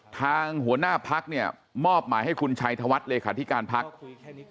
ทางหัวหน้าพักเนี่ยมอบหมายให้คุณชัยธวัฒน์เลขาธิการพัก